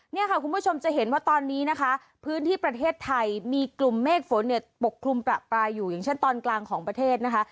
เนี่ยค่ะคุณผู้ชมจะเห็นว่าตอนนี้นะคะพื้นที่ประเทศไทยมีกลุ่มเมฆฝนเนี่ยปกคลุมประปรายอยู่อย่างเช่นตอนกลางของประเทศนะคะ